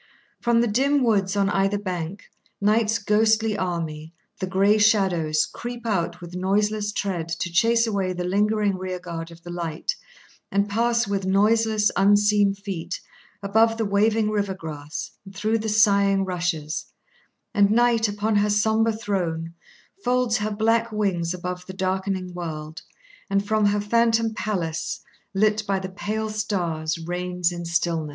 From the dim woods on either bank, Night's ghostly army, the grey shadows, creep out with noiseless tread to chase away the lingering rear guard of the light, and pass, with noiseless, unseen feet, above the waving river grass, and through the sighing rushes; and Night, upon her sombre throne, folds her black wings above the darkening world, and, from her phantom palace, lit by the pale stars, reigns in stillness.